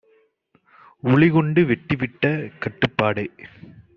உளிகொண்டு வெட்டிவிட்ட கட்டுப்பாடே